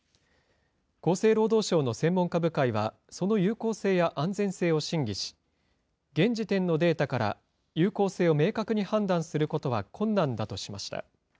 厚生労働省の専門家部会は、その有効性や安全性を審議し、現時点のデータから有効性を明確に判断することは困難だとしました。